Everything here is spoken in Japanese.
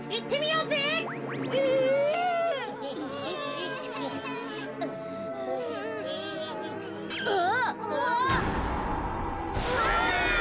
うわ！